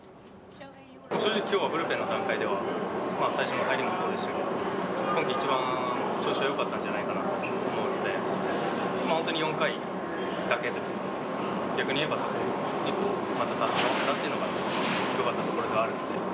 正直きょうはブルペンの段階では、最初の入りもそうですし、今季一番調子はよかったんじゃないかなと思って、本当に４回だけで、逆に言えばそれ以降、また立て直せたというのがよかったところではあるので。